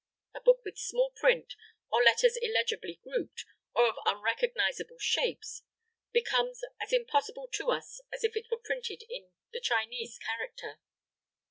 A book with small print, or letters illegibly grouped, or of unrecognizable shapes, becomes as impossible to us as if it were printed in the Chinese character.